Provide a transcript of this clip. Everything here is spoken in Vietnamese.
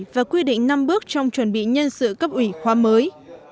và quy định năm bước trong chuẩn bị nhân sự cấp ủy khoa mới